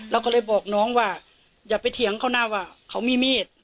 เราก็เลยบอกน้องว่าอย่าไปเถียงเขานะว่าเขามีมีด